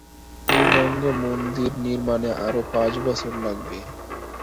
পূর্ণাঙ্গ মন্দির নির্মাণে আরও পাঁচ বছর লাগবে।